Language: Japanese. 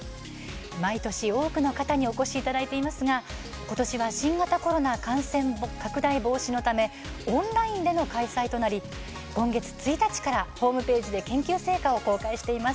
毎年、多くの方にお越しいただいていますがことしは新型コロナ感染拡大防止のためオンラインでの開催となり今月１日からホームページで研究成果を公開しています。